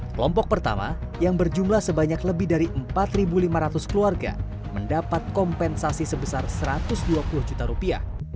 kelompok pertama yang berjumlah sebanyak lebih dari empat lima ratus keluarga mendapat kompensasi sebesar satu ratus dua puluh juta rupiah